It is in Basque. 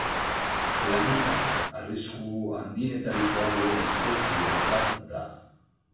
Planetan arrisku handienetarikoa duen espezie bat da.